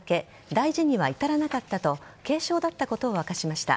大事には至らなかったと軽傷だったことを明かしました。